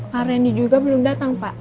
pak rendi juga belum datang pak